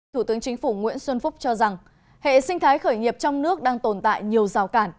thủ tướng chính phủ nguyễn xuân phúc cho rằng hệ sinh thái khởi nghiệp trong nước đang tồn tại nhiều rào cản